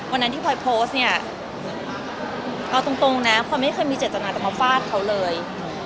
วันนั้นที่พลอยโพสต์เนี่ยเอาตรงนะพลอยไม่เคยมีเจตนาจะมาฟาดเขาเลย